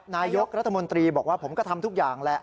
นายกรัฐมนตรีบอกว่าผมก็ทำทุกอย่างแหละ